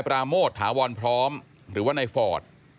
โมทถาวรพร้อมหรือว่าในฟอร์ด